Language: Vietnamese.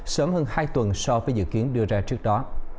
sớm hơn hai tuần so với dự kiến đưa ra trước đó